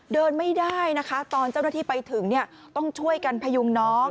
เดินไม่ได้นะคะตอนเจ้าหน้าที่ไปถึงต้องช่วยกันพยุงน้อง